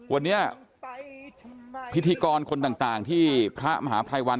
วันนี้พิธีกรคนต่างที่พระมหาภัยวัน